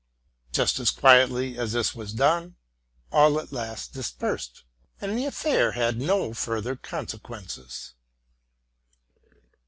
Just as quietly as this was done, all at last dispersed; and the affair had no further consequences.